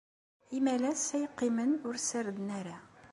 Imalas ay qqimen ur ssarden ara.